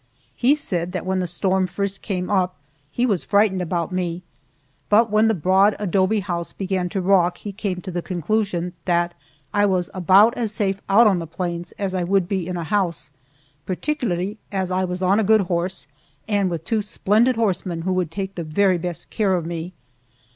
He said that when the storm first came up he was frightened about me, but when the broad adobe house began to rock he came to the conclusion that I was about as safe out on the plains as I would be in a house, particularly as I was on a good horse, and with two splendid horsemen who would take the very best care of me.